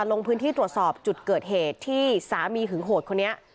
ลงพื้นที่ตรวจสอบจุดเกิดเหตุที่สามีหึงโหดคนนี้